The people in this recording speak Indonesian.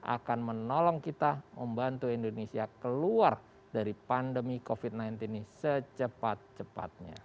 akan menolong kita membantu indonesia keluar dari pandemi covid sembilan belas ini secepat cepatnya